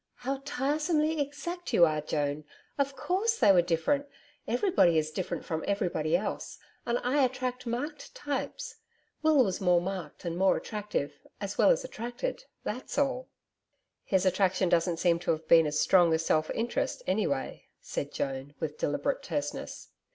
'How tiresomely exact you are, Joan! Of course, they were different. Everybody is different from everybody else. And I attract marked types. Will was more marked and more attractive as well as attracted that's all.' 'His attraction doesn't seem to have been as strong as self interest, any way,' said Joan, with deliberate terseness.